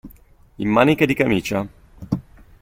In maniche di camicia.